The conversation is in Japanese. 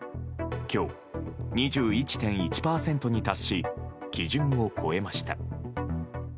今日、２１．１％に達し基準を超えました。